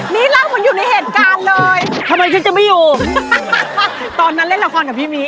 นี่เล่าเหมือนอยู่ในเหตุการณ์เลยทำไมฉันจะไม่อยู่ตอนนั้นเล่นละครกับพี่มี